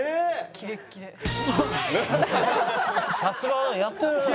さすがだねやってるね。